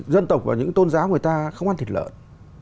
dân tộc và những tôn giáo người ta không ăn thịt lợn